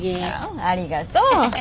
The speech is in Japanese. ありがとう。